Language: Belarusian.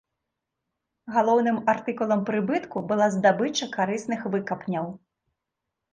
Галоўным артыкулам прыбытку была здабыча карысных выкапняў.